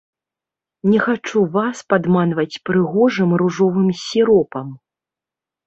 Не хачу вас падманваць прыгожым ружовым сіропам.